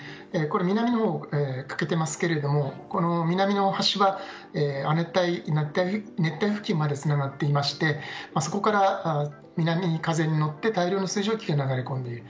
南のほう欠けていますけど南の端は亜熱帯、熱帯付近までつながっていましてそこから南風に乗って大量の水蒸気が流れ込んでいる。